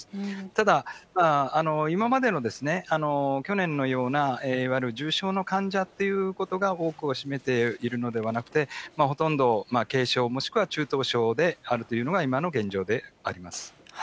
ただ、今までの、去年のようないわゆる重症の患者ということが多くを占めているのではなくて、ほとんど軽症、もしくは中等症であるというのが、今の現状であります。